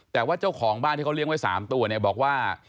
แต่ว่าเจ้าของบ้านที่เขาเลี้ยงไว้๓ตัวเนี่ยบอกว่า